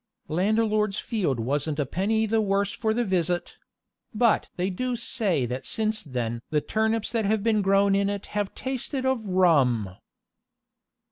Landlord's field wasn't a penny the worse for the visit; but they do say that since then the turnips that have been grown in it have tasted of rum.